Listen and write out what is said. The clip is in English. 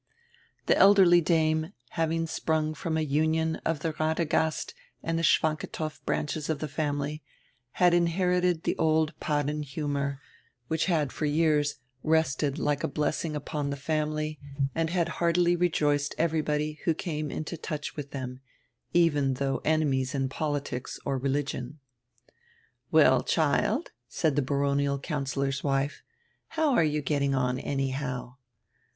The elderly dame, having sprung from a union of die Radegast and die Schwantikow branches of die family, had inherited die old Padden humor, which had for years rested like a blessing upon die family and had heartily rejoiced everybody who came into touch witii diem, even though enemies in politics or religion. "Well, child," said die baronial councillor's wife, "how are you getting on, anyhow?"